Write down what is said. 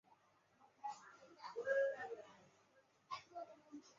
波普谷是位于美国加利福尼亚州纳帕县的一个非建制地区。